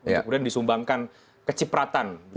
kemudian disumbangkan kecipratan